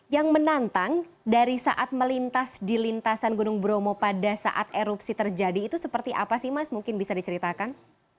yang menantang dari saat melintas di lintasan gunung bromo pada saat erupsi terjadi itu seperti apa sih mas mungkin bisa diceritakan